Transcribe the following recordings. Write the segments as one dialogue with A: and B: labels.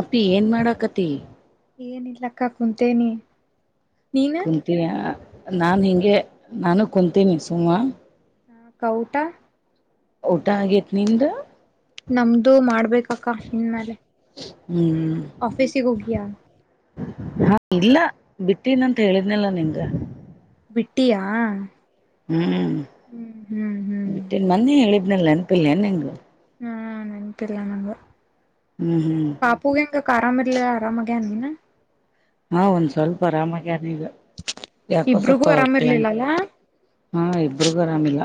A: ಅಪ್ಪಿ ಏನ್ ಮಾಡಕತಿ
B: ಏನಲಕ್ಕ ಕುಂತೇನಿ ನೀನ
A: ಕುಂತೀನಿ ನಾನು ಹಿಂಗೆ ನಾನು ಕುಂತೀನಿ ಸುಮ್ಮನೆ
B: ಊಟಾ
A: ಊಟ ಆಗೇತ್ ನಿಂದು
B: ನಮ್ದು ಮಾಡ್ಬೇಕಕ್ಕ ಇನ್ಮೇಲೆ
A: ಹ್ಮ್
B: ಆಫೀಸಿಗೆ ಹೋಗಿದಿಯಾ
A: ಹಾ ಇಲ್ಲ ಬಿಟ್ಟೀನಂತ ಹೇಳಿದ್ನಲ್ಲಾ ನಿನ್ಗ
B: ಬಿಟ್ಟಿಯಾ
A: ಹ್ಮ್
B: ಹ್ಮ್ ಹ್ಮ್ ಹ್ಮ್
A: ಬಿಟ್ಟನ್ ಮೊನ್ನೆ ಹೇಳಿದನಲ್ಲ ನೆನಪಿಲ್ಲ ಎನ್ ನಿನಗ
B: ಹ್ಮ್ ನೆನಪಿಲ್ಲ ನನಗ
A: ಹ್ಮ್ ಹ್ಮ್
B: ಪಾಪೂಗೆಂಗ ಆರಾಮ ಇರಲ್ಲ ಆರಾಮಾಗ ಎನ
A: ಹಾ ಒಂದ್ ಸ್ವಲ್ಪ ಆರಾಮಾಗಿನದು ಯಾಕೋ
B: ಇಬ್ರಿಗೂ
A: ಸ್ವಲ್ಪ ಕಲಂ
B: ಆರಾಮಿರ್ಲಿಲ್ಲಲ್ಲ
A: ಹಾ ಇಬ್ಬರುಗರಾಮಿಲ್ಲ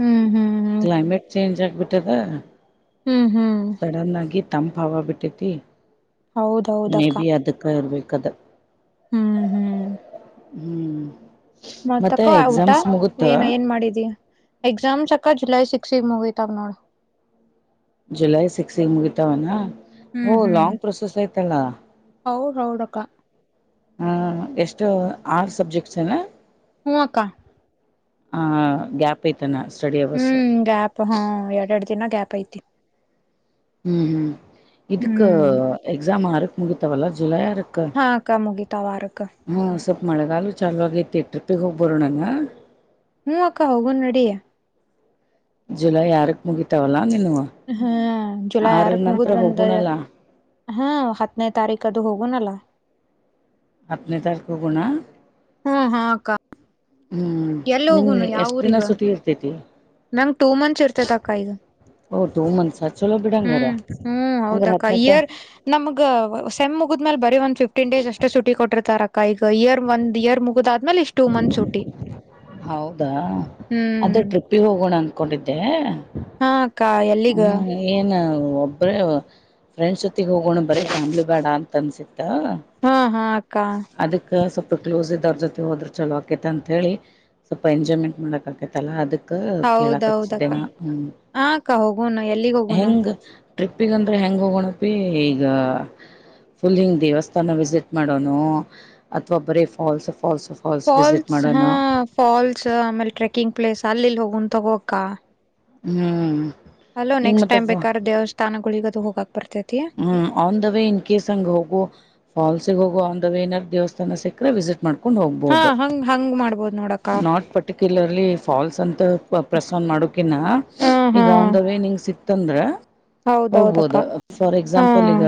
B: ಹ್ಮ್ ಹ್ಮ್ ಹ್ಮ್
A: ಕ್ಲೈಮೇಟ್ ಚೇಂಜ್ ಆಗ್ಬಿಟ್ಟದ
B: ಹ್ಮ್ ಹ್ಮ್
A: ಸಡನ್ ಆಗಿ ತಂಪ ಹವಾ ಬಿಟ್ಟೈತಿ ಮೇ
B: ಹೌದೌದಕ್ಕ
A: ಬಿ ಅದಕ್ಕೆ ಇರ್ಬೇಕದು
B: ಹ್ಮ್ ಹ್ಮ್
A: ಹ್ಮ್ ಮತ್ತೆ
B: ಮತಕ್ಕ ಊಟ
A: ಎಕ್ಸಾಮ್ಸ್
B: ಏನ
A: ಮುಗುತ್ತ
B: ಏನ್ ಮಾಡಿದಿಯ ಎಕ್ಸಾಮ್ ಚಕ್ಕ ಜುಲೈ ಸಿಕ್ಸ್ ಮುಗಿತದ ನೋಡ್
A: ಜುಲೈ ಸಿಕ್ಸ್ಗ ಮುಗಿತಾವನಾ ಓ ಲಾಂಗ್ ಪ್ರೊಸೆಸ್ ಯ್ತಲ್ಲಾ
B: ಹೌದು ಹೌದಕ್ಕಾ
A: ಹಾ ಎಷ್ಟು ಆರ್ ಸಬ್ಜೆಕ್ಟ್ಸ್ ನ
B: ಹ ಅಕ್ಕಾ
A: ಹ ಗ್ಯಾಪ್ ಐತಾನ ಸ್ಟಡಿ ಅವರ್ಸ
B: ಹ್ಮ್ ಗ್ಯಾಪ್ ಹಾ ಎರಡ ಎರಡು ದಿನ ಗ್ಯಾಪ್ ಐತಿ
A: ಹ್ಮ್ ಹ್ಮ್ ಇದುಕ್ಕ
B: ಹ್ಮ್
A: ಎಕ್ಸಾಮ್ ಆರುಕ್ ಮುಗತವಲ್ಲ ಜುಲೈ ಆರಕ
B: ಹಾ ಅಕ್ಕಾ ಮುಗೀತಾವ ಆರಕ್ಕೆ
A: ಹಾಂ ಸ್ವಲ್ಪ ಮಳೆಗಾಲು ಚಾಲೂ ಆಗೈತಿ ಟ್ರಿಪ್ಪಿಗೆ ಹೋಗ್ಬೋರು ನಂಗೆ
B: ಹ್ಮ್ ಅಕ್ಕ ಹೋಗನ್ ನಡಿ
A: ಜುಲೈ ಆರಕ್ ಮುಗಿತಾವಲ್ಲಾ ನೀನು
B: ಹ್ಮ್ ಜುಲೈ
A: ಆರ
B: ಆರಕ್
A: ನಂತರ
B: ಮುಗುದ್ರಂದ
A: ಹೋಗೋಣಲ್ಲ
B: ಹಾ ಹತ್ತನೇ ತಾರೀಕ ಅದು ಹೋಗನಲ್ಲಾ
A: ಹತ್ ನೇ ತಾರೀಕು ಹೋಗೋಣ
B: ಹ್ಮ ಹಾ ಅಕ್ಕ
A: ಹ್ಮ್
B: ಎಲ್ಲಿ
A: ನಿಮಗ ಎಷ್ಟ ದಿನ ಸುಟಿ ಇರ್ತೇತಿ
B: ನನಗ ಟೂ ಮಂತ್ ಚ್ಚಿರ್ತದ ಅಕ್ಕ ಈಗ
A: ಓ ಟೂ ಮಂತ್ಸ್ ಚಲೋ ಬಿಡಂಗಾರ
B: ಹ್ಮ್ ಹ್ಮ್
A: ಹಂಗಾರ
B: ಹೌದಕ್ಕ
A: ಹತ್ತನೇ ತ
B: ಇಯರ್ ನಮ್ಗ ಸೇಮ್ ಮುಗಿದ್ಮೇಲೆ ಬರೀ ಒಂದ ಫಿಫ್ಟೀನ್ ಡೇಸ್ ಅಷ್ಟೇ ಸುಟಿ ಕೊಟ್ಟರ್ತಾರ ಅಕ್ಕಾ ಈಗ ಇಯರ್ ಒಂದ್ ಇಯರ್ ಮುಗುದಾದ್ಮೇಲೆ ಇಷ್ಟ ಟೂ ಮಂತ್ ಸುಟಿ ಹ್ಮ್
A: ಉಡಪ್ಪಿ ಹೋಗೋಣ ಅಂದಕೊಂಡಿದ್ದೆ
B: ಹಾ ಅಕ್ಕಾ ಎಲ್ಲಿಗ
A: ಏನು ಒಬ್ಬರ ಫ್ರೆಂಡ್ಸ್ ಜೊತ್ತಗೆ ಹೋಗೋಣ ಬರೀ ಫ್ಯಾಮ್ಲಿ ಬೇಡ ಅಂತ ಅನ್ಸತ್ತ
B: ಹಾ ಹಾ ಅಕ್ಕಾ
A: ಅದಕ್ಕೆ ಸ್ವಲ್ಪ ಕ್ಲೋಸ್ ಇದವ್ರ ಜೊತೆ ಹೋದ್ರೆ ಚಲೋ ಆಕೈತೆ ಅಂಥೇಳಿ ಸ್ವಲ್ಪ ಎಂಜಾಯ್ಮೆಂಟ್ ಮಾಡಕ್ಕ ಆಕೈತ್ತಲ್ಲ ಅದಕ್ಕೆ ಕೇಳಕ
B: ಹೌದೌದಕ್ಕ
A: ಹಚಿದ್ದೇನಾ ಹ್ಮ್
B: ಹಾ ಅಕ್ಕ ಹೋಗೋಣ ಎಲ್ಲಿಗ್ ಹೋಗೋಣ
A: ಹೆಂಗ ಟ್ರಿಪ್ಪಿಗೆ ಅಂದ್ರೆ ಹೆಂಗ ಹೋಗೋಣಪಿ ಈಗ ಫುಲ್ ಹಿಂಗ ದೇವಸ್ಥಾನ ವಿಸಿಟ್ ಮಾಡೋನು ಅಥವಾ ಬರೇ ಫಾಲ್ಸ್ ಫಾಲ್ಸ್ ವಿಸಿಟ್
B: ಫಾಲ್ಸ್ ಹಾ
A: ಮಾಡೋನು
B: ಫಾಲ್ಸ್ ಆಮೇಲೆ ಟ್ರೆಕಿಂಗ್ ಪ್ಲೇಸ್ ಅಲ್ಲಿಲ್ಲಿ ಹೋಗನ್ ತಗೋಕ
A: ಹ್ಮ್
B: ಅಲೋ
A: ಈಗ
B: ನೆಕ್ಸ್ಟ್ ಟೈಮ
A: ಮತ್ತೆ
B: ಕಾದ್ರ ದೇವಸ್ಥಾನಗಳಗ ಅದು ಹೋಗಾಕ್ ಬರ್ತೈತಿ
A: ಹ್ಮ್ on the way in case ಹಂಗ ಹೋಗು ಫಾಲ್ಸ್ ಗೆ ಹೋಗುವ ಇನ್ ದವೇ ಏನಾರ ದೇವಸ್ಥಾನ ಸಿಕ್ಕರೆೆ ವಿಸಿಟ್ ಮಾಡಬೇಕು
B: ಹಾ ಹಂಗ್ ಹಂಗ್ ಮಾಡ್ಬೋದು ನೋಡಕ್ಕ
A: ಪರ್ಟಿಕ್ಯುಲರ್ಲ ಆಗಿ ಫಾಲ್ಸ್ ಅಂತ ಪ್ರಸವಾದ್ ಮಾಡಕಿನ
B: ಹ ಹಾ
A: ಈಗ ಒಂದ ವೇ ನಿಂಗ ಸಿಕ್ತಂದ್ರ
B: ಹೌದೌದಕ್ಕ
A: ಹೋಗ್ಬೋದು ಫಾರ್
B: ಹಾ
A: ಎಕ್ಸಾಂಪಲ್ ಈಗ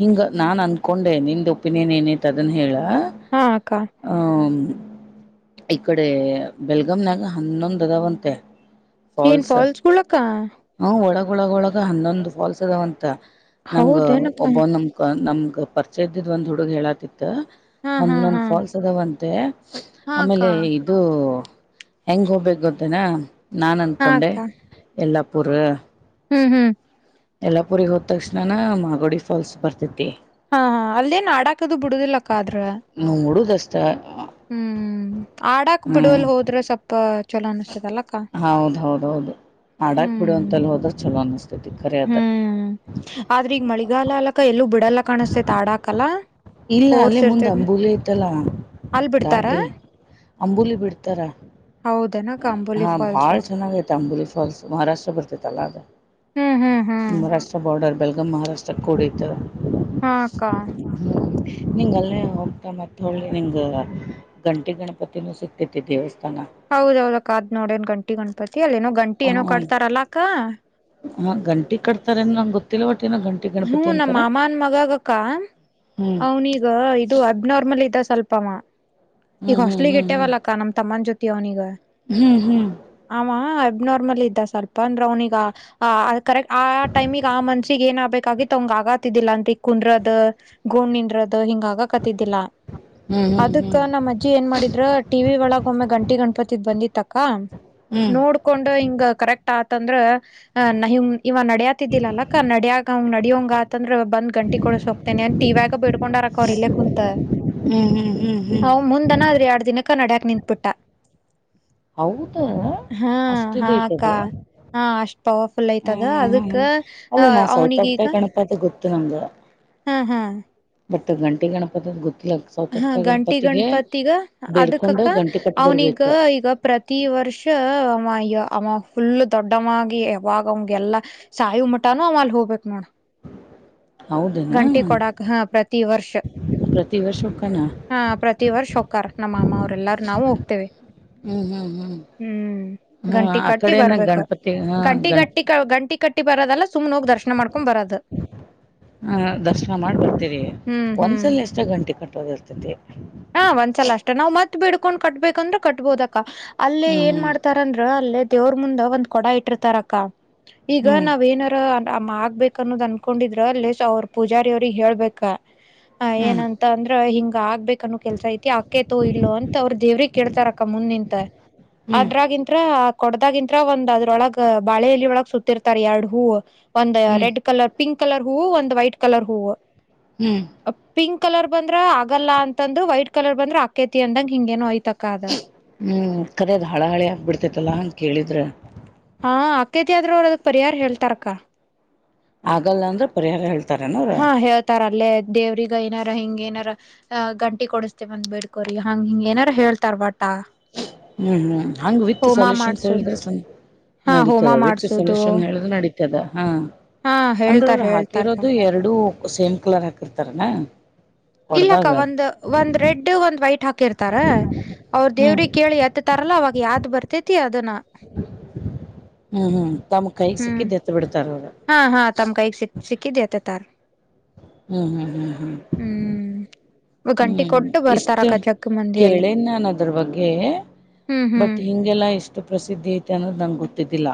A: ಹಿಂಗ ನಾನು ಅನ್ಕೊಂಡೆ ನಿಂದು ಒಪಿನಿಯನ್ ಏನೈತ ಅದನ್ ಹೇಳ
B: ಹಾ ಅಕ್ಕಾ
A: ಹ ಈಕಡೆ ಬೆಳಗಾಂ ದಾಗಿ ಹನ್ನೊಂದ ಅದಾವಂತೆ
B: ಏನ್ ಫಾಲ್ಸ್ ಗಳಕ್ಕ
A: ಹ್ ಒಳಗೊಳಗ ಒಳಗ ಹನ್ನೊಂದು ಫಾಲ್ಸ್ ಅದಾವಂತ ನಂಗ
B: ಹೌದೇನಕ್ಕ
A: ಒಬ್ಬೊ ನಮ ನಮಗ ಪರ್ಚೆ ಇದ್ದಿದ್ ಒಂದ ಹುಡುಗ ಹೇಳತಿತ್ತ
B: ಹಾ ಹಾ
A: ಹನ್ನೊಂದ್
B: ಹಾ
A: ಫಾಲ್ಸ್ ಅದಾವಂತೆ
B: ಹಾ ಅಕ್ಕ
A: ಆಮೇಲೆ ಅದು ಹೆಂಗ್ ಹೋಗ್ಬೇಕು ಗೊತ್ತೆನ ನಾನ್
B: ಹಾ
A: ಅನ್ಕೊಂಡೆ
B: ಅಕ್ಕ
A: ಎಲ್ಲಾಪ್ಪುರು
B: ಹ್ಮ್ ಹ್ಮ್
A: ಎಲ್ಲಾಪುರಿ ಹೋದ ತಕ್ಷಣನ ಮಾಗೋಡಿ ಫಾಲ್ಸ್ ಬರ್ತತಿ
B: ಹಾ ಹಾ ಅಲ್ಲೆನ್ ಆಡಾಕದು ಬಿಡುದಿಲ್ಲಕ್ಕ ಆದ್ರ
A: ನೋಡೋದಷ್ಟ
B: ಹ್ಮ್ ಆಡಾಕ್ ಬಿಡುವಲ್ ಹೋದ್ರೆ ಸ್ವಲ್ಪ ಚಲೋ ಅನ್ಸ್ತದಲ್ಲಕ್ಕ
A: ಹ ಹೌದ ಹೌದ ಹೌದು ಆಡಾಕ್ ಬಿಡುವ ಅಂತಲ್ಲಿ ಹೋದ್ರೆ ಚಲೋ ಅನಿಸ್ತೈತಿ ಖರಿ ಅದ
B: ಆದ್ರೆ ಈಗ ಮಳಿಗಾಲ ಅಲಕ್ಕಾ ಎಲ್ಲೂ ಬಿಡಲ್ಲ ಕಾಣಸ್ತೇತ್ ಆಡಾಕಲ್ಲ
A: ಇಲ್ಲ ಅಲ್ಲೇ
B: ಫೋರ್ಸ್
A: ಮುಂದೆ
B: ಇರ್ತೇತಿ
A: ಅಂಬೂಲಿ ಐತಲ್ಲ
B: ಅಲ್ ಬಿಡ್ತಾರ
A: ದಾಟಿ ಅಂಬೂಲಿ ಬಿಡ್ತಾರ
B: ಹೌದು
A: ಹಾ ಭಾಳ ಚೆನ್ನಾಗ ಐತೆ ಅಂಬುಲಿ ಫಾಲ್ಸ್ ಮಹಾರಾಷ್ಟ್ರ ಬರ್ತಿತ್ತಲ್ಲ ಅದು
B: ಹ್ಮ್ ಹ್ಮ್ ಹ್ಮ್
A: ಮಹಾರಾಷ್ಟ್ರ ಬಾರ್ಡರ್ ಬೆಳಗಾಂ ಮಹಾರಾಷ್ಟ್ರಕ್ಕೆ ಕೂಡಿತಿ
B: ಹಾ ಅಕ್ಕ? [inaudible]
A: ಹೂ ನಿಂಗ ಅಲ್ಲೇ ಹೋಗ್ತಾ ಮತ್ತ ಹೊಳ್ಳಿ ನಿಂಗ? [inaudible] ಗಂಟಿ ಗಣಪತಿನೂ ಸಿಗ್ತತಿ ದೇವಸ್ಥಾನ. [inaudible]
B: ಹೌದ ಹೌದ ಅಕ್ಕಾ ಅದ ನೋಡೇನ್ ಗಂಟಿ ಗಣಪತಿ ಅಲ್ಲೇನೋ ಗಂಟಿ ಏನೋ ಕಡ್ತಾರಲ್ಲಾ ಅಕ್ಕಾ? [inaudible]
A: ಮತ್ತ ಗಂಟಿ ಕಟ್ತಾರೆ ನಂಗ ಗೊತ್ತಿಲ್ಲ ಒಟ್ ಏನೋ ಗಂಟಿ [inaudible]
B: ಹೂ ನಮ್ಮ
A: ಅಂತಾರೆ
B: ಮಾಮನ್ ಮಗಗ ಅಕ್ಕಾ
A: ಹ್ಮ್
B: ಅವನೀಗ [inaudible] ಇದು ಅಬ್ನಾರ್ಮಲ್ ಇದ್ದ ಸ್ವಲ್ಪ ಅವ ಈಗ
A: ಹ್ಮ್ ಹ್ಮ್
B: ಹಾಸ್ಟೆಲ್ ಗೆ ಇಟ್ಟೇವಲ್ಲ ಅಕ್ಕಾ ನಮ್ಮ ತಮ್ಮನ ಜೊತೆ ಅವ್ನಿಗ. [inaudible]
A: ಹೂ ಹೂ [inaudible]
B: ಆವ ಅಬ್ನಾರ್ಮಲ್ ಇದ್ದ ಸ್ವಲ್ಪ ಅಂದ್ರ ಅವ್ನಿಗಾ [inaudible] ಆ ಅದು ಕರೆಕ್ಟ್ ಆ ಟೈಮಿಗ್ ಆ ಮನಸಿಗೆ ಏನ್ ಆಗಬೇಕ. [inaudible] ಕವಿತ ಅವಂಗ ಆಗತಿದ್ದಿಲ್ಲಾ ತಿಕ್ ಕುಂದರದ ಗೋನ ನಿಂದರೋದ ಹಿಂಗ ಆಗಕತಿದ್ದಿಲ್ಲ. [inaudible]
A: ಹ್ಮ್ ಹ್ಮ್ ಹ್ಮ್ ಹ್ಮ್ ಹ್ಮ್
B: ಅದಕ್ ನಮ್ಮ ಅಜ್ಜಿ ಏನ್ ಮಾಡಿದ್ರ ಟಿವಿ ಒಳಗ ಒಮ್ಮೆ ಗಂಟಿ ಗಣಪತಿದ್ ಬಂದಿತ್ತ ಅಕ್ಕಾ [inaudible]
A: ಹೂ [inaudible]
B: ಕೊಂಡು ಹಿಂಗ ಕರೆಕ್ಟ್ ಆತಂದ್ರ ನಹಿಂ ಇವ ನಡಾಯತಿದ್ದಿಲ್ಲ ಅಕ್ಕ ನಡಿಯಾಕ [inaudible] ಅವ ನಡಿಯವಂಗ ಆತ ಅಂದ್ರ ಬಂದ್ ಗಂಟಿ ಕೊಡಿಸಿ ಹೋಗತನೆ ಅಂತ ಟಿವಿಯಾಗ ಬಿಡ್ಕೊಂಡಾರ ಅಕ್ಕ ಅವ್ರ ಇಲ್ಲ ಕುಂತ. [inaudible]
A: ಹು ಹು ಹು [inaudible]
B: ಅವ ಮುಂದನ ಅದರ ಎರಡ ದಿನಕ್ಕ ನಡಿಯಾಕ್ ನಿಂತ ಬಿಟ್ಟಾ. [inaudible]
A: ಹೌದ
B: ಹಾ
A: ಅಷ್ಟ ಇದು
B: ಹಾ
A: ಐತಿ
B: ಅಕ್ಕ
A: ಅಲ್ಲಿ. [inaudible]
B: ಹಾ ಅಷ್ಟ ಪವರರ್ಫುಲ್ ಅಯ್ತದ ಅದಕ್ಕ ಅವ್ನಿಗ ಈಗ [inaudible]
A: ಅದೇ ಗಣಪತಿ ಗೊತ್ತು ನಂಗೆ? [inaudible]
B: ಹ ಹಾ
A: ಬಟ್ ಗಂಟೆ ಗಣಪತದ ಗೊತ್ತಿಲ್ಲ ಅಕ್ಕ? [inaudible]
B: ಹಾ ಗಂಟಿ ಗಣಪತಿಗ ಅದಕ್ಕ
A: ಬೇಡ್ಕೊಂಡ
B: ಅಕ್ಕಾ
A: ಗಂಟೆ ಕಟ್ಟಿ
B: ಅವ್ನಿಗ
A: ಬರ್ಬೇಕ
B: ಈಗ ಪ್ರ [inaudible] ಪ್ರತಿ ವರ್ಷ ಅವ ಈಗ ಅಮ್ಮ ಫುಲ್ಲು ದೊಡ್ಡಮ ಆಗಿ ಯಾವಾಗ ಅವಂಗ ಎಲ್ಲಾ? [inaudible] ಸಾಯಿ ಮಟಾನು ಆವ ಅಲ್ಲಿ ಹೋಗಬೇಕ ನೋಡ. [inaudible]
A: ಹೌದನಾ
B: ಗಂಟಿ ಕೊಡಾಕ ಹ ಪ್ರತಿ ವರ್ಷ. [inaudible]
A: ಪ್ರತಿ ವರ್ಷ ಹೋಕ್ಕನಾ? [inaudible]
B: ಹಾ ಪ್ರತಿ ವರ್ಷ ಹೊಕ್ಕಾರ್ ನಮ್ಮ ಮಾಮ್ಮ ಅವ್ರೆಲ್ಲಾರು ನಾವು ಹೋಗ್ತೇವಿ. [inaudible]
A: ಹ್ಮ್ ಹ್ಮ್ ಹ್ಮ್
B: ಹೂ
A: ಹಾ
B: ಗಂಟಿ
A: ಆ
B: ಕಟ್ಟಿ
A: ಕಡೆನ
B: ಬರ್ಬೇಕ
A: ಗಣಪತಿ ಹ
B: ಕಟ್ಟಿ
A: ಗಣ
B: ಗಟ್ಟಿ [inaudible] ಗಂಟಿ ಕಟ್ಟಿ ಬರದಲ್ಲ ಸುಮ್ನ ಹೋಗಿ ದರ್ಶನಾ ಮಾಡಕೊಂಡ ಬರೋದ. [inaudible]
A: ಹ ದರ್ಶನ ಮಾಡಿ ಬರತ್ತಿವಿ
B: ಹ್ಮ್ ಹ್ಮ್
A: ಒಂದ್ಸಲ ಅಷ್ಟ ಗಂಟಿ ಕಟ್ಟೋದ ಇರ್ತತಿ. [inaudible]
B: ಹಾ ಒಂದ್ಸಲ ಅಷ್ಟೇ ನಾವ್ ಮತ್ತ ಬೇಡಕೊಂಡ ಕಟ್ಬೇಕಂದ್ರೆ ಕೆಟ್ಟಬೋದ ಅಕ್ಕ ಅಲ್ಲೇ ಏನ್
A: ಹ್ಮ್
B: ಮಾಡ್ತಾರ [inaudible] ಅಂದರ್ ಅಲ್ಲೇ ದೇವರ ಮುಂದ ಒಂದ್ ಕೊಡಾ ಇಟ್ಟಿರ್ತಾರ ಅಕ್ಕಾ ಈಗ
A: ಹ್ಮ್
B: ನಾವ್ ಏನಾರ ಆ [inaudible] ಆ ಮಾಡಬೇಕ ಅನ್ನೋದ್ ಅನ್ಕೊಂಡಿದ್ರ ಅಲ್ಲೇ ಶ ಅವರು ಪೂಜಾರಿ ಅವರಿಗ ಹೇಳಬೇಕ ಅ
A: ಹ್ಮ್ ಹ್ಮ್
B: ಏನಂತ? [inaudible] ತ ಅಂದ್ರ ಹಿಂಗ್ ಆಗಬೇಕ ಅನ್ನವ್ ಕೆಲಸ ಐತಿ ಅಕೇತೋ ಇಲ್ಲೋ ಅಂತ ಅವರ ದೇವರಿಗ್ ಕೇಳ್ತಾರ ಅಕ್ಕಾ ಮುಂದ ನಿಂತ. [inaudible]
A: ಹ್ಮ್
B: ಅದರಾಗಿಂತರ [inaudible] ಕೊಡದಾಗಿಂತರ ಒಂದ ಅದ್ರೊಳಗ ಬಾಳೆೆಯಲ್ಲಿ ಒಳಗ್ ಸುತ್ತಿರ್ತಾರೆ ಎರಡ ಹೂವು ಒಂದ್
A: ಹ್ಮ್
B: ರೆಡ್ ಕಲರ್ [inaudible] ಪಿಂಕ್ ಕಲರ್ ಹೂವು ಒಂದ್ ವೈಟ್ ಕಲರ್ ಹೂವು [inaudible]
A: ಹೂ [inaudible]
B: ಪಿಂಕ್ ಕಲರ್ ಬಂದ್ರ ಆಗಲ್ಲ ಅಂತಂದು ವೈಟ್ ಕಲರ್ ಬಂದ್ರ ಅಕೇತಿ ಅಂದಂಗ ಹಿಂಗೇನು ಅಯ್ತ ಅಕ್ಕಾ ಅದ [inaudible]
A: ಹೂ ಕರ್ಯದ್ ಹಾಳ ಹಳಿ ಆಗಬಿಡ್ತೈತಲ್ಲ ಹಂಗ ಕೇಳಿದ್ರ [inaudible]
B: ಹಾ ಅಕೇತಿ ಆದರ ಅವರು ಅದಕ್ ಪರಿಹಾರ ಹೇಳ್ತಾರ ಅಕ್ಕ. [inaudible]
A: ಆಗಲ್ಲ ಅಂದ್ರ ಪರಿಹಾರ ಹೇಳ್ತಾರ ಏನ್ ಅವರ್? [inaudible]
B: ತಾರ ಅಲ್ಲೇ ದೇವರಿಗ ಏನಾರ ಹಿಂಗ ಏನರ [inaudible] ಅ ಗಂಟಿ ಕೊಡಿಸತ್ತಿನಿ ಅಂತ ಬಿಡ್ಕೋರಿ ಹಂಗ ಹಿಂಗ್ ಏನಾರ ಹೇಳ್ತಾರ ಭಟ್ಟ. [inaudible]
A: ಹ್ಮ್ ಹ್ಮ್ ಹಂಗ್ ವಿತ್ ಸೊಲ್ಯೂಷನ್ಸ್
B: ಮಾಡ್ಸುದ್
A: ಹೇಳಿದ್ರ ಸ್ಯೆ
B: ಹಾ ಹೋಮ
A: ನಡೀತದ ವಿತ್
B: ಮಾಡ್ಸುದು
A: ಸೊಲ್ಯೂಷನ್ ಹೇಳುದ್ರ ನಡೀತದ ಹಾ.
B: ಹಾ
A: ಅಂದ್ರ
B: ಹೇಳ್ತಾರ ಹೇಳ್ತಾರಕ
A: ಹಾಕಿರೋದು ಎರಡು ಸೇಮ್ ಕಲರ್ ಹಾಕಿರ್ತಾರನಾ?
B: ಇಲ್ಲಕ್ಕ
A: ಹೊಡ್ದಾಗ
B: ಒಂದ್ ಒಂದ್ ರೆಡ್ ಒಂದ್ ವೈಟ್ ಹಾಕಿರ್ತಾರ ಅವ್ರ
A: ಹ್ಮ್
B: ದೇವ್ರಿಗೆ ಕೇಳಿ ಮ ತರಲ್ಲ ಅವಾಗ ಯಾವ್ದ್ ಬರ್ತೈತಿ ಅದನ್ನ
A: ಹ್ಮ್ ಹ್ಮ್ ತಮ್ಮ ಕೈಗೆ ಸಿಕ್ಕಿ
B: ಹ್ಮ್
A: ತ್ತ ಬಿಡ್ತಾರ ಅವರು.
B: ಹಾ ಹಾ ತಮ್ಮ ಕೈ ಸಿಕ್ ಸಿಕ್ಕಿದ ಎತುತಾರ.
A: ಹ್ಮ್ ಹ್ಮ್ ಹ್ಮ್ ಹ್ಮ್
B: ಹ್ಮ್ ಗಂಟಿ
A: ಹ್ಮ್
B: ಕೊಟ್ಟು
A: ಇಷ್ಟ
B: ಬರ್ತಾರಕ್ಕ ಜಗ್ ಮಂದಿ ಎಲ್ಲ
A: ಕೇಳೇ ನಾನ್ ಅದ್ರ ಬಗ್ಗೆ
B: ಹ್ಮ್ ಹ್ಮ್
A: ಬಟ್ ಇಂ ಗೆಲ್ಲ ಎಷ್ಟು ಪ್ರಸಿದ್ಧಿ ಐತೆ ಅನ್ನೋದು ನಂಗೆ ಗೊತ್ತಿದ್ದಿಲ್ಲ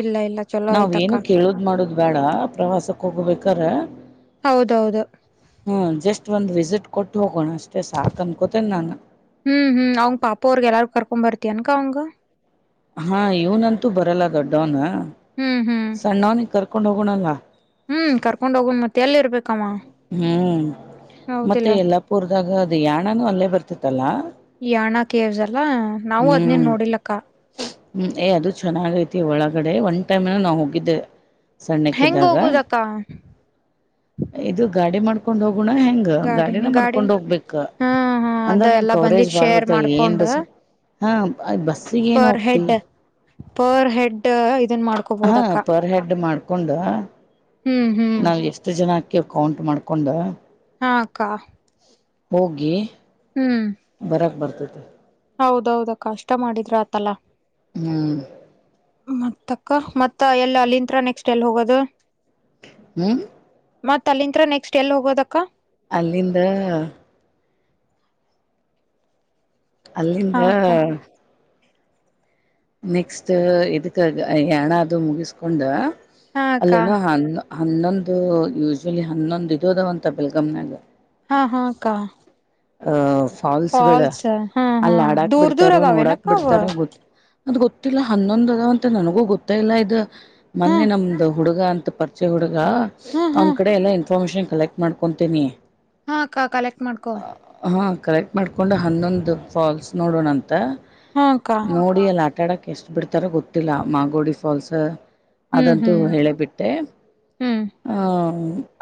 B: ಇಲ್ಲ ಇಲ್ಲ ಚಲೋ
A: ನಾವ್
B: ಆಯ್ತಕ್ಕ
A: ಏನು ಕೇಳುದ್ ಮಾಡುದು ಬೇಡ ಪ್ರವಾಸಕ್ ಹೋಗ್ಬೇಕಾದ್ರ
B: ಹೌದೌದು
A: ಹ್ಮ ಜಸ್ಟ್ ಒಂದ್ ವಿಸಿಟ್ ಕೊಟ್ಟು ಹೋಗೋಣ ಅಷ್ಟೇ ಸಾಕ್ ಅನ್ಕೊತೇನ್ ನಾನ್.
B: ಹ್ಮ್ ಹ್ಮ್ ಅವ್ನ್ ಪಾಪ ಅವ್ರಗೆ ಎಲ್ಲಾರ ಕರ್ಕೊಂಡ್ ಬರ್ತಿ ಎನ್ ಅಕ್ಕಾ ಅವ್ನಗ್
A: ಹಾ ಇವ್ನಂತೂ ಬರಲ್ಲ ದೊಡ್ಡವನ್
B: ಹ್ಮ್ ಹ್ಮ್
A: ಸಣ್ಣವನಿಗೆ ಕರ್ಕೊಂಡ್ ಹೋಗೋಣ ಅಲ್ಲ.
B: ಹ್ಮ್ ಕರ್ಕೊಂಡ್ ಹೋಗನ್ ಮತ್ತೆ ಎಲ್ಲಿ ಇರ್ಬೇಕ ಅವ ಹೌದಿಲ್ಲ.
A: ಪೂರ್ದಾಗ ಅದು ಯಾಣನೂ ಅಲ್ಲೇ ಬರ್ತಿತ್ತಲ್ಲಾ.
B: ಯಾಣ ಕೇವ್ಸ್ ಅಲ್ಲಾ ನಾವು
A: ಹ್ಮ್
B: ಅದ್ನೇನ್ ನೋಡಿಲಕ್ಕ
A: ಹ್ಮ್ ಏ ಅದು ಚೆನ್ನಾಗ ಐತಿ ಒಳಗಡೆ ಒನ್ ಟೈಮ್ ಏನೋ ನಾವ್ ಹೋಗಿದ್ದೆ. ಸಣ್ಣಕ್ಕಿದ್ದಾಗ
B: ಕ [unintelligible] [unintelligible]
A: ಇದು ಗಾಡಿ ಮಾಡ್ಕೊಂಡ್ ಹೋಗೋಣ ಹೆಂಗ
B: ಗಾಡಿ
A: ಗಾಡಿನ
B: ಗಾಡಿ
A: ಮಾಡ್ಕೊಂಡ್ ಹೋಗ್ಬೇಕ
B: ಹಾ ಹಾ
A: ಅಂದ್ರ
B: ಅದ
A: ನಿನ್
B: ಎಲ್ಲಾ
A: ಕವರೇಜ್
B: ಬಂದಿದ್
A: ಬಾಳ್
B: ಶೇರ್
A: ಬರ್ತಾವ ಏನ್
B: ಮಾಡ್ಕೊಂಡ್
A: ಬಸ್ ಹಾ ಬ -ಬಸ್ಸಿಗೆೇನು
B: ಪರ್
A: ಹೋಗ್ತಿ
B: ಹೆಡ್ ಪರ್ ಹೆಡ್ ಇದನ್ ಮಾಡ್
A: ಹಾ ಪರ್ ಹೆಡ್ ಮಾಡ್ಕೊಂಡ
B: ಹ್ಮ್ ಹ್ಮ್
A: ನಾವ ಎಷ್ಟ ಎಷ್ಟು ಜನ ಅಕಿವಿ ಕೌಂಟ್ ಮಾಡ್ಕೊಂಡು
B: ಹಾ ಅಕ್ಕಾ.
A: ಹೋಗಿ
B: ಹ್ಮ್
A: ಬರಕ್ ಬರ್ತೈತೆ
B: ಹೌದೌದ ಅಕ್ಕಾ ಅಷ್ಟ ಮಾಡಿದ್ರ ಆತಲ್ಲಾ.
A: ಹ್ಮ್
B: ಮತ್ತ ಅಕ್ಕ ಮತ್ತ ಎಲ್ಲ ಅಲ್ಲಿಂದ್ ನೆಕ್ಸ್ಟ್ ಎಲ್ಲಿ ಹೋಗೋದು?
A: ಹ್ಮ್
B: ಮತ್ ಅಲ್ಲಿಂತ್ರ ನೆಕ್ಸ್ಟ್ ಎಲ್ಲಿ ಹೋಗೋದಕ್ಕ?
A: ಅಲ್ಲಿಂದ ಅಲ್ಲಿಂದ
B: ಹಾ ಅಕ್ಕ
A: ನೆಕ್ಸ್ಟ್ ಇದಕ್ ಯಾಣ ಅದು ಮುಗಿಸ್ಕೊಂಡ
B: ಹಾ ಅಕ್ಕ
A: ಅಲ್ಲಿನೋ ಹ ಹನ್ನೊಂದು ಯೂಶಲಿ ಹನ್ನೊಂದು ಇದದ ಅಂತ ಬೆಳ್ಗಮನಾಗ
B: ಹಾ ಹಾ ಅಕ್ಕ.
A: ಅಹ ಫಾಲ್ಸ್ ಗಳ
B: ಹಾ ಹಾ
A: ಅಲ್ಲಿ ಆಡಕ್
B: ದೂರ್ ದೂರ್
A: ಬಿಡ್ತಾರೋ ನೋಡಾಕ್
B: ಅದಾವೇನಕ್ಕ ಅವ
A: ಬಿಡ್ತಾರೋ ಗೊ ಅದ್ ಗೊತ್ತಿಲ್ಲ ಹನ್ನೊಂದ ಅದವಂತ ನನಗೂ ಗೊತ್ತೆ ಇಲ್ಲ ಇದು.
B: ಹಾ
A: ಮೊನ್ನೆ ನಮ್ದು ಹುಡುಗ ಅಂತ ಪರ್ಚಯಾ ಹುಡ್ಗ.
B: ಹಾ ಹಾ
A: ಅವ್ನ ಕಡೆ ಎಲ್ಲ ಇನ್ಫಾತ್ಮಷನ್ ಕಲೆಕ್ಟ್ ಮಾಡ್ಕೊತೀನಿ.
B: ಹಾ ಅಕ್ಕ ಕಲೆಕ್ಟ್ ಮಾಡ್ಕೋ.
A: ಹಾ ಕಲೆಕ್ಟ್ ಮಾಡ್ಕೊಂಡು ಹನ್ನೊಂದು ಫಾಲ್ಸ್ ನೋಡೋಣಂತ
B: ಹಾ ಅಕ್ಕ
A: ನೋ ಹೇ ಅಲ್ ಆಟಡಕ್ ಎಷ್ಟ್ ಬಿಡ್ತಾರೋ ಗೊತ್ತಿಲ್ಲ ಮಾಗೋಡಿ ಫಾಲ್ಸ್.
B: ಹ್ಮ್
A: ಅದಂತೂ
B: ಹ್ಮ್
A: ಹೇಳೆಬಿಟ್ಟೆ.
B: ಹ್ಮ್
A: ಹಾ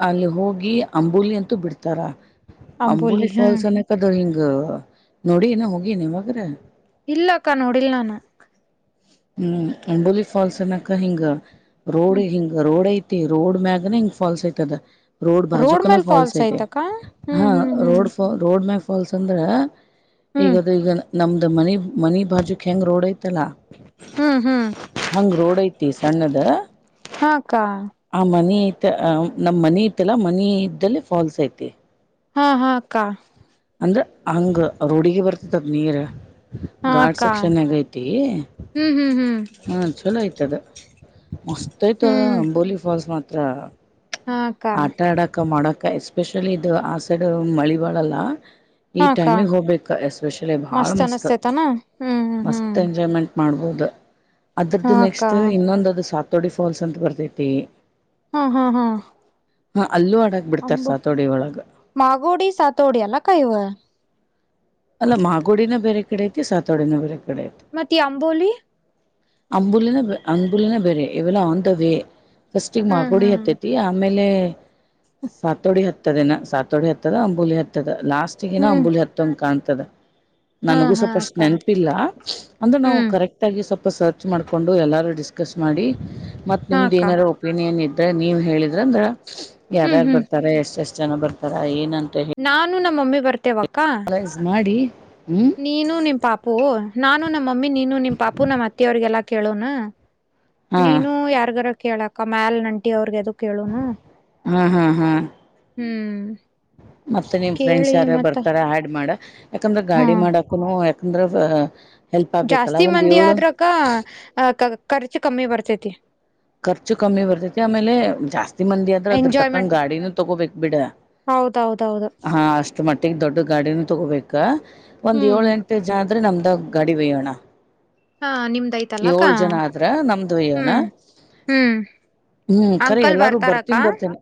A: ಅಲ್ಲಿ ಹೋಗಿ ಅಂಬೊಲಿ ಅಂತೂ ಬಿಡ್ತಾರ.
B: ಅಂಬೋಲಿ
A: ಅಂಬುಲಿ
B: ಹಾ
A: ಫಾಲ್ಸ್ ಅನ್ನೆಕದ ಹಿಂಗ ನೋಡಿಯೆನ ಹೋಗಿಯೆನ ಯಾವಾಗರ.
B: ಇಲ್ಲಕ್ಕಾ ನೋಡಿಲ್ ನಾನ.
A: ಹ್ಮ್ ಅಂಡೊಲಿ ಫಾಲ್ಸ್ ಅನಕ ಹಿಂಗ ರೋಡ್
B: ಹ್ಮ್
A: ಹಿಂಗ ರೋಡ್ ಐತ್. ಅಯ್ತಿ ರೋಡ್ ಮ್ಯಾಗನ ಹಿಂಗ್ ಫಾಲ್ಸ್ ಐತದ. ರೋಡ್ ಬಾಜುಕನ
B: ಮೇಲ್
A: ಫಲ್ಸ್
B: ಫಾಲ್ಸ್
A: ಐತೀ
B: ಐತಕ್ಕ ಹ್ಮ್
A: ಹಾ
B: ಹ್ಮ್ ಹ್ಮ್
A: ರೋಡ್ ಫಾ ರೋಡ್ ಮಗ್. ಫಾಲ್ಸ್ ಅಂದ್ರ
B: ಹ್ಮ್
A: ಈಗದು ಈಗ ನಮ್ದು ಮನಿ ಮನಿ ಬಾಜುಕೆಂಗ್ ರೋಡ್ ಐತಲ್ಲ.
B: ಹ ಹ.
A: ಹಂಗ್ ರೋಡ್ ಐತಿ ಸಣ್ಣದ.
B: ಹಾ ಅಕ್ಕ
A: ಆ ಮನಿ ಐತ್ ನಮ್ ಮನಿ ಇತ್ತಲ್ಲ ಮನಿ ಇದ್ದಲ್ಲಿ ಫಾಲ್ಸ್ ಐತಿ.
B: ಹಾ ಹಾ ಅಕ್ಕಾ.
A: ಅಂದ್ರೆ ಹಂಗ ರೋಡಿಗೆ ಬರ್ತತದ್ ನೀರ
B: ಹಾ
A: ಗಾಡ್
B: ಅಕ್ಕ
A: ಸಕ್ಸಶನಗೈತಿ.
B: ಹ್ಮ್ ಹ್ಮ್ ಹ್ಮ್.
A: ಹ ಚಲೋ ಐತದ ಮಸ್ತ್ ಐತ
B: ಹ್ಮ್
A: ಅಂಬೋಲಿ ಫಾಲ್ಸ್ ಮಾತ್ರ.
B: ಹಾ ಅಕ್ಕ
A: ಆಟಡಕ ಮಾಡಕ ಎಸ್ಪೆಷಲಿ ಇದು ಆಸೈಡು ಮಳಿ ಬಾಳಲ್ಲ. ಈ
B: ಹಾ ಅಕ್ಕ
A: ಟೈಮಿಗ್ ಹೋಬೆಕ ಎಸ್ಪೆಷಲಿ ಬಳ್
B: ಮಸ್ತ್
A: ಮಸ್ತ್ತ್
B: ಅನಸ್ತೇತಾನ ಹ್ಮ್ ಹ್ಮ್ ಹ್ಮ್
A: ಮಸ್ತ್ ಎಂಜಾಯ್ಮೆಂಟ್. ಮಾಡ್ಬೊದ
B: ಹಾ
A: ಅದ್ರದ್ದು
B: ಅಕ್ಕ
A: ನೆಕ್ಸ್ಟ್ ಇನ್ನೊಂದದು ಸತೋಡಿ ಫಾಲ್ಸ್ ಅಂತ ಬರ್ತೈತಿ.
B: ಹಾ ಹಾ ಹಾ.
A: ಹಾ ಅಲ್ಲೂ ಆಡಕ್ ಬಿಡ್ತಾರ್
B: ಅಂಬ
A: ಸಾತೋಡಿ ಒಳಗ.
B: ಮಾಗೋಡಿ ಸತೋಡಿ ಅಲ್ಲಕ್ಕ ಇವ.
A: ಅಲ್ಲ ಮಾಗೋಡಿನ ಬೇರೆ ಕಡೆ ಐತಿ ಸತೋಡಿನ ಬೇರೆ ಕಡಿ ಐತಿ.
B: ಮತ್ತೆ ಈ ಅಂಬೋಲಿ.
A: ಅಂಬುಲಿನ ಅಂಬುಲಿನ ಬೇರೆ ಇವೆಲ್ಲ ಆನ್ ದ ವೇ. ಫಸ್ಟಿಗ್
B: ಹ್ಮ್
A: ಮಾಗೋಡಿ
B: ಹ್ಮ್
A: ಹತ್ತೆತಿ ಆಮೇಲೆ ಸಾತೋಡಿ ಹತ್. [unintelligible] ಸಾತೋಡಿ ಹತ್ತದ ಅಂಬುಲಿ ಹತ್ತದ ಲಾಸ್ಟಿಗೆನ
B: ಹ್ಮ್
A: ಅಂಬುಲಿ ಹತ್ತಂಗ್ ಕಾಣ್ತದ.
B: ಹಾ
A: ನನುಗೂ
B: ಹಾ
A: ಸೂಪಸ್ಟ್
B: ಅಕ್ಕ
A: ನೆನ್ಪಿಲ್ಲ ಅಂದ್ರೆ ನಾವ್
B: ಹ್ಮ್
A: ಕರೆಕ್ಟ್. ತಾಗಿ ಸೊಪ ಸರ್ಚ್ ಮಾಡ್ಕೊಂಡು ಎಲ್ಲಾರು ಡಿಸ್ಕಸ್ ಮಾಡಿ ಮತ್
B: ಹಾ
A: ನಿಮ್ದು
B: ಅಕ್ಕ
A: ಏನಾರು. ಒಪಿನಿಯನ್ ಇದ್ರ ನೀವ್ ಹೇಳಿದ್ರಂದ್ರ
B: ಹ್ಮ್
A: ಯಾರ್ಯಾರ್
B: ಹ್ಮ್
A: ಬರ್ತಾರ ಎಷ್ಟ್ ಎಷ್ಟ್ ಜನ ಬರ್ತಾರ ಏನಂತ ಹೇಳ್.
B: ನಾನು ನಮ್ಮಮ್ಮಿ ಬರ್ತೆೇವಕ್ಕ.
A: ನೋಡಿ ಹ್ಮ್.
B: ನೀನು ನಿಮ್ ಪಾಪು ನಾನು ನಮಮ್ಮಿ ನೀನು ನಿಮ್ ಪಾಪು ನಮ್ಮ್ ಅತ್ತಿ ಅವ್ರಿಗೆಲ್ಲಾ ಕೇಳೋನ.
A: ಹಾ
B: ನೀನು ಯಾರ್ಗಾರ ಕೇಳಕ್ಕ ಮ್ಯಲ್ನಂಟಿ ಅವ್ರಗೆದು ಕೇಳೋನು.
A: ಹಾ ಹಾ ಹಾ
B: ಹ್ಮ್.
A: ಮತ್ತೆ ನಿಮ್ ಫ್ರೆಂಡ್ಸ್
B: ಕೇಳಿ
A: ಯಾರ
B: ಮತ್ತ
A: ಬರ್ತಾರ ಆಡ್ ಮಾಡ. ಯಾಕಂದ್ರ
B: ಹಾ
A: ಗಾಡಿ ಮಾಡಕುನು ಯಾಕಂದ್ರ ಹೆಲ್ಪಬೇಕಲ್ಲ ಒಂದ್ ಏಳು.
B: ಅಕ್ಕ [unintelligible] ಖರ್ಚು ಕಮ್ಮಿ ಬರ್ತೈತಿ.
A: ಖರ್ಚು ಕಮ್ಮಿ ಬರ್ತೈತಿ ಆಮೇಲೆ ಜಾಸ್ತಿ ಮಂದಿ ಆದ್ರ ಅದ್ರ ತಕ್ಕಂಗ್
B: ಎಂಜಾಯ್ಮೆಂಟ್
A: ಗಾಡಿನೂ ತಗೋಬೇಕ್ ಬಿಡ.
B: ಹೌದೌದೌದು.
A: ಮಟ್ಟಿಗ್ ದೊಡ್ದು ಗಾಡಿನು ತಗೋಬೇಕ ಒಂದ್
B: ಹ್ಮ್
A: ಯೋಲೆಂಟ್ ಜದ್ರೆ ನಮ್ದಾ ಗಾಡಿ ವಯ್ಯೋಣ.
B: ಹಾ ನಿಮ್ದಐತಲ್ಲಕ್ಕ
A: ಯೋಳ್ ಜನದ್ರ ನಮ್ದ್ ವಯ್ಯೋಣ.
B: ಹ್ಮ್ ಹ್ಮ್
A: ಹ್ಮ್ ಕರಿ
B: ಅಂಕಲ್
A: ಎಲ್ಲಾರು
B: ಬರ್ತಾರಕ್ಕ
A: ಬರ್ತಿನ್ ಬರ್ತಿನ್.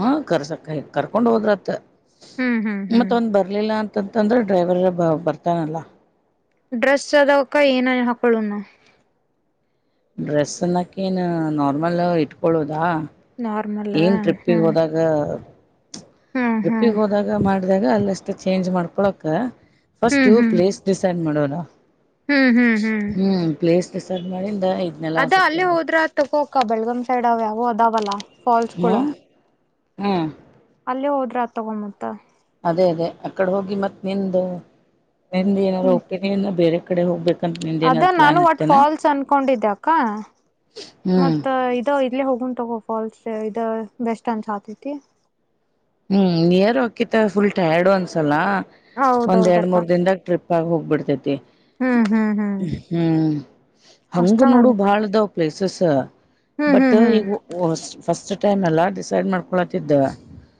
A: ಹಾ ಕರ್ಸಕ ಕರ್ಕೊಂಡೊದ್ರತ
B: ಹ್ಮ್ ಹ್ಮ್ ಹ್ಮ್
A: ಮತ್ ಒಂದ್ ಬರ್ಲಿಲ್ಲ ಅಂ ತತಂದ್ರೆ ಡ್ರೈವರ ಬ ಬರ್ತಾನಲ್ಲ.
B: ಡ್ರೆಸೆದವಕ್ಕ ಏನರೆ ಹಾಕೊಳೊನ.
A: ಡ್ರೆಸಲ್ಲಕೇನು ನಾರ್ಮಲ್ಲ ಇಟ್ಕೊಳ್ಳೋದಾ
B: ನಾರ್ಮಲ್
A: ಏನ್
B: ಹ್ಮ್
A: ಟ್ರಿಪ್ಪಿಗೋದಾಗ್. ಹಾ.
B: ಹ್ಮ್ ಹ್ಮ್
A: ಟ್ರಿಪ್ಪಿಗೋದಾಗ ಮಾಡ್ದಾಗ ಅಲಷ್ಟ ಚೇಂಜ್ ಮಾಡ್ಕೊಳಕ ಫಸ್ಟು
B: ಹ್ಮ್
A: ಪ್ಲೇಸ್. ಡಿಸೈಡ್ ಮಾಡೋನಾ
B: ಹ್ಮ್ ಹ್ಮ್ ಹ್ಮ್
A: ಹ್ಮ್ ಪ್ಲೇಸ್ ಡಿಸೈಡ್ ಮಾಡಿಂದ. ಇದ್ನೆಲ್ಲ
B: ಅದ
A: ಸ್ವಲ್ಪ
B: ಅಲ್ಲಿ ಹೋದ್ರತ್ ತಗೋ ಅಕ್ಕ ಬೆಳ್ಗಮ್ ಸೈಡ್ ಅವಾವೊ ಅದಾವಲ್ಲ ಫಾಲ್ಸ್ಗಳ.
A: ಹ್ಮ್ಮ್.
B: ಅಲ್ಲೇ ಹೋದ್ರತ್ ತಾಗ್ಗೋ ಮತ್ತ.
A: ಅದೇ ಅದೇ ಅಕಡ್ ಹೋಗಿ ಮತ್ತ್ ನಿಂದು ನಿಂದ್ ಏನಾರ
B: ಹ್ಮ್
A: ಹೊಪಿನಿಯನ್ನು ಬೇರೆ ಕಡೆ ಹೋಗ್ಬೇಕ.
B: ಅದ ನಾನು ಒಟ್ ಫಾಲ್ಸ್ ಅನ್ಕೊಂಡಿದ್ದೆ ಅಕ್ಕ
A: ಹ್ಮ್
B: ಮತ್ತ. ತ್ತಾ ಇಲ್ಲೇ ಹೋಗೊನ್ ತಗೋ ಫಾಲ್ಸ್ ಇದಾ ಬೆಸ್ಟ್ ಅನ್ಸತೈತಿ.
A: ಹ್ಮ್ ನಿಯರ್ ಹೊಕ್ಕಿ ತಾ ಫುಲ್ ಟೈರ್ಡ್ಡು ಅನ್ಸಲ್ಲ ಒಂದ್ ಎರಡ್
B: ಹೌದೌದಕ್ಕ
A: ಮೂರ್ ದಿನಂದಾಗ್ ಟ್ರಿಪ್. ಹೋಗ್ಬಿಡ್ತೈತಿ
B: ಹ್ಮ್ ಹ್ಮ್ ಹ್ಮ್
A: ಹ್ಮ್
B: ಅಷ್ಟ
A: ಹಂಗು
B: ಮಾಡ
A: ನೋಡು ಬಹ್ಳಾದವ್. ಪ್ಲೇಸಸ
B: ಹ್ಮ್
A: ಬಟ್
B: ಹ್ಮ್ ಹ್ಮ್
A: ಇವು ಫಸ್ಟ್ ಟೈಮಲ ಡಿಸೈಡ್ ಮಾಡ್ಕೊಳತ್ತಿದ್ದ.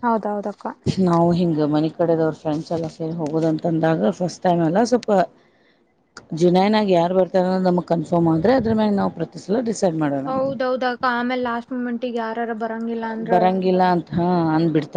B: ಹೌದೌದಪ್ಪ.
A: ನಾವು ಹಿಂಗ ಮನಿ ಕಡೆದವ್ರ್ ಫ್ರೆಂಡ್ಸ್ ಎಲ್ಲ ಸೇರಿ ಹೋಗೋದಂತಂದಾಗ ಫಸ್ಟ್ ಟೈಮಲ ಸ್ವಲ್ಪ. ಜುನೈನಾಗ್ ಯಾರ್ ಬರ್ತಾರನೋದ್ ನಮ್ಗ್ ಕನ್ಫರ್ಮ್ ಆದ್ರೆ ಅದ್ರ ಮೇಲ್ ನಾವ್ ಪ್ರ. ಸ್ಲೀ ಡಿಸೈಡ್ ಮಾಡ.
B: ಹೌದೌದಕ್ಕ ಆಮೇಲ್ ಲಾಸ್ಟ್ ಮುಮೆಂಟಿಗ್ ಯಾರಾರ ಬರಂಗಿಲ್ಲ ಅಂದ್ರೆ.
A: ಬರಂಗಿಲ್ಲ ಅಂತ ಹಾ ಅಂಗ್ ಬಿಡ್ತಾರ್.